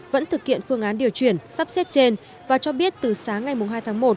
vẫn thực hiện phương án điều chuyển sắp xếp trên và cho biết từ sáng ngày hai tháng một